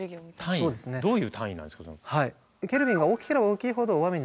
そうですね。どういう単位なんですか？